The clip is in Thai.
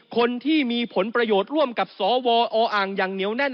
คนที่มีผลประโยชน์ร่วมกับสวออ่างอย่างเหนียวแน่น